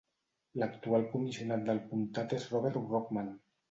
L'actual Comissionat del Comtat és Robert Brockman.